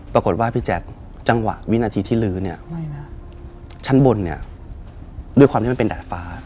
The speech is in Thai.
ปรากฏว่าพี่แจ๊คจังหวะวินาทีที่ลื้อเนี่ยชั้นบนเนี่ยด้วยความที่มันเป็นดาดฟ้า